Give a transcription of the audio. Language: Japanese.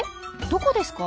どこですか？